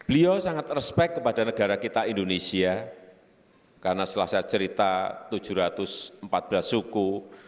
beliau sangat respect kepada negara kita indonesia karena setelah saya cerita tujuh ratus empat belas suku